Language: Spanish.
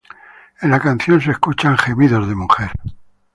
En la canción se escuchan gemidos de mujer.